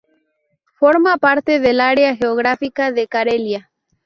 Forma parte del área geográfica de Carelia.